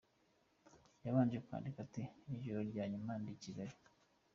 Yabanje kwandika ati "Ijoro rya nyuma ndi i Kigali.